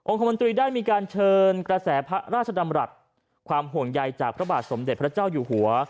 คมนตรีได้มีการเชิญกระแสพระราชดำรัฐความห่วงใยจากพระบาทสมเด็จพระเจ้าอยู่หัว